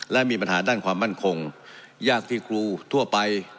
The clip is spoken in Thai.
และมีปัญหาด้านความมั่นคงยากที่ครูทั่วไป